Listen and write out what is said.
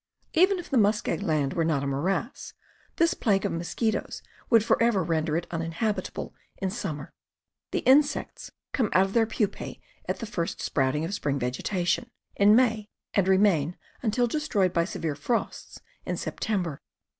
Even if the muskeg land were not a morass, this plague of mosqui toes would forever render it uninhabitable in summer. The insects come out of their pupae at the first sprout ing of spring vegetation, in May, and remain until destroyed by severe frosts in September.